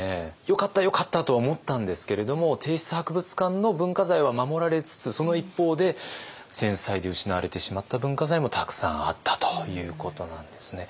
よかったよかったとは思ったんですけれども帝室博物館の文化財は守られつつその一方で戦災で失われてしまった文化財もたくさんあったということなんですね。